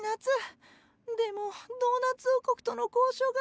でもドーナツ王国との交渉が難航してて。